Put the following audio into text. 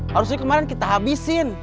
harusnya kemarin kita habisin